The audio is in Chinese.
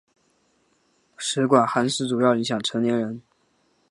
食管憩室主要影响成年人。